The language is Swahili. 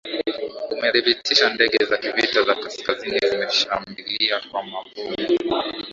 amedhibitisha ndege za kivita za kaskazini zimeshambilia kwa mabomu